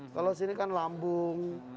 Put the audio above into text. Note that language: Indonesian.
kalau sini kan lambung